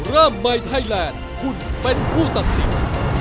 เริ่มใหม่ไทยแลนด์คุณเป็นผู้ตัดสิน